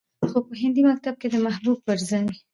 خو په هندي مکتب کې د محبوبې پرځاى